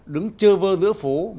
đứng chơ vơ giữa phố